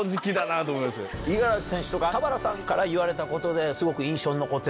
五十嵐選手とか田原さんから言われたことですごく。